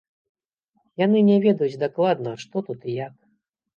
Яны не ведаюць дакладна, што тут і як.